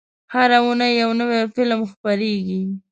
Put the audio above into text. هره اونۍ یو نوی فلم خپرېږي.